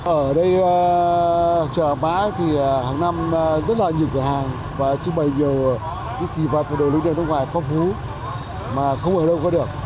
ở đây chợ hà mã thì hàng năm rất là nhiều cửa hàng và trung bày nhiều cái kỳ vật của đồ lưu đường nước ngoài phong phú mà không ở đâu có được